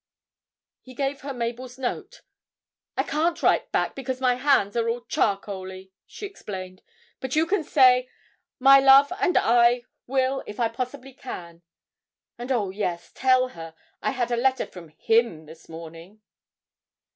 He gave her Mabel's note. 'I can't write back because my hands are all charcoaly,' she explained; 'but you can say, "My love, and I will if I possibly can;" and, oh yes, tell her I had a letter from him this morning.'